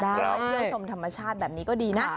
เที่ยวสรมธรรมชาติแบบนี้ก็ดีนะ